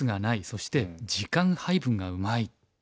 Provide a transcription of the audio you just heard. そして時間配分がうまい」。